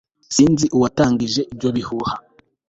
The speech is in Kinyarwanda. sinzi uwatangije ibyo bihuha